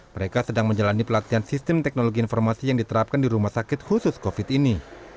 mereka sedang menjalani pelatihan sistem teknologi informasi yang diterapkan di rumah sakit khusus covid ini